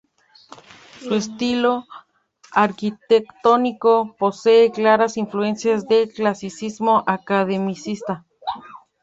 Su estilo arquitectónico posee claras influencias del clasicismo academicista.